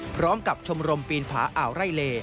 พร้อมกับชมรมปีนผาอ่าวไร่เล